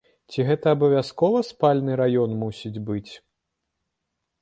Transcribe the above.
Ці гэта абавязкова спальны раён мусіць быць?